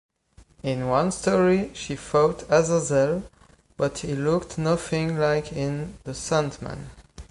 In one story, she fought Azazel, but he looked nothing like in "The Sandman".